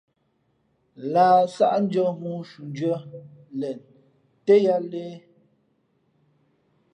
Lah sáʼndʉ̄ᾱ ghoo shundʉ̄ᾱ len tά yāā lēh.